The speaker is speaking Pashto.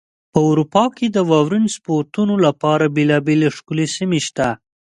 په اروپا کې د واورین سپورتونو لپاره بېلابېلې ښکلې سیمې شته.